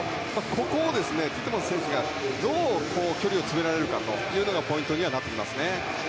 ここをティットマス選手がどう距離を詰められるのかというのがポイントになってきますね。